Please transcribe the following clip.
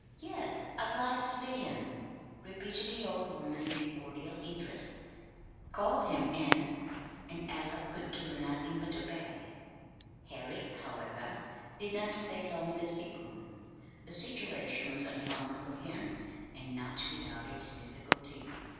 "Yes, I'd like ter see him," repeated the old woman with cordial interest. "Call him in." And Ella could do nothing but obey. Herrick, however, did not stay long in the sick room. The situation was uncommon for him, and not without its difficulties.